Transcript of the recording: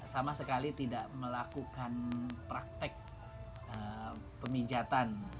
sama sekali tidak melakukan praktek pemijatan